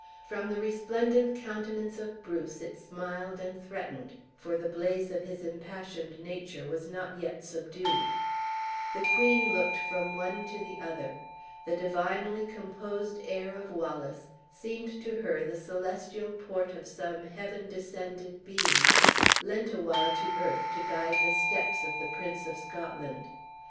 From the resplendent countenance of Bruce it smiled and threatened, for the blaze of his impassioned nature was not yet subdued. The queen looked from one to the other. The divinely composed air of Wallace seemed to her the celestial port of some heaven descended being, lent awhile to earth to guide the steps of the Prince of Scotland.